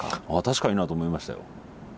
ああ確かになと思いましたよ。